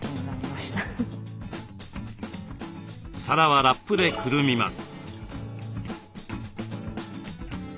皿はラップでくるみます。